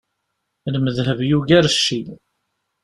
Lmedheb yugar cci.